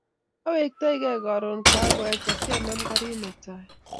Awektoikei karon kokaech asianam karit netai